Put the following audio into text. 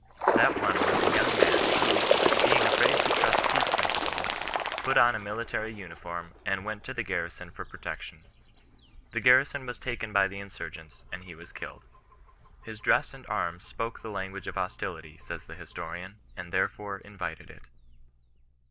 That one was a young man, who, being afraid to trust peace principles, put on a military uni form, and went to the garrison for protection. The gar rison was taken by the insurgents, and he was killed. His dress and arms spoke the language of hostility/' says the historian, " and therefore invited it."